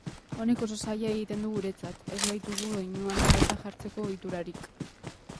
Honek oso zaila egiten du guretzat, ez baitugu doinuan arreta jartzeko ohiturarik.